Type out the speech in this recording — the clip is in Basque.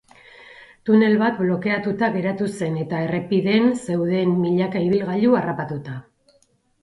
Tunel bat blokeatuta geratu zen eta errepiden zeuden milaka ibilgailu harrapatuta.